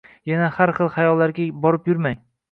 Yana har xil xayollarga borib yurmang